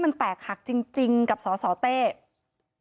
มันแตกหักจริงกับสสเต้